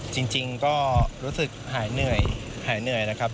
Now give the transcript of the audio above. จริงก็รู้สึกหายเหนื่อยนะครับ